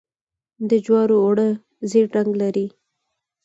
د جوارو اوړه ژیړ رنګ لري.